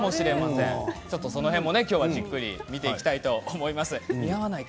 その辺もじっくりと見ていきたいと思います。